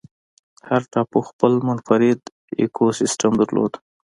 هر ټاپو خپل منفرد ایکوسیستم درلود.